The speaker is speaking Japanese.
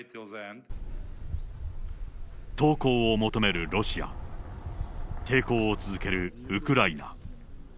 投降を求めるロシア、抵抗を続けるウクライナ。